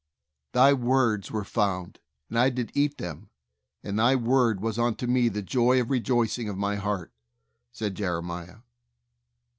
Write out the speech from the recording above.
'Thy words were found, and I did eat them ; and Thy word was unto me the joy and rejoicing of my heart," said Jeremiah.